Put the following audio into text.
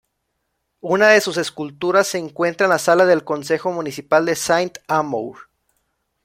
Una de sus esculturas se encuentra en la sala del concejo municipal de Saint-Amour.